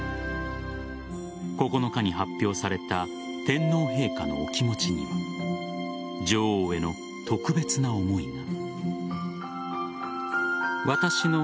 ９日に発表された天皇陛下のお気持ちには女王への特別な思いが。